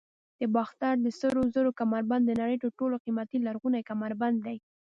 د باختر د سرو زرو کمربند د نړۍ تر ټولو قیمتي لرغونی کمربند دی